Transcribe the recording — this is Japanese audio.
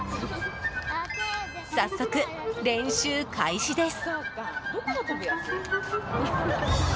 早速、練習開始です。